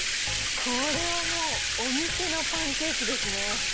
これはもう、お店のパンケーキですね。